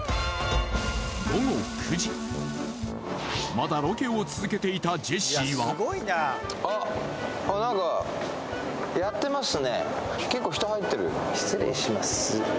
まだロケを続けていたジェシーは失礼します